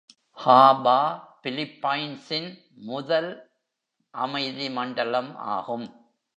Haba பிலிப்பைன்ஸின் முதல் அமைதி மண்டலம் ஆகும்.